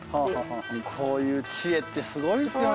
やっぱこういう知恵ってすごいですよね。